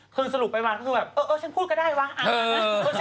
คือสรุปไปมาก็คือแบบเออฉันพูดก็ได้วะอ่านนะ